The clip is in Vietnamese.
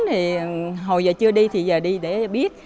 thì hồi giờ chưa đi thì giờ đi để biết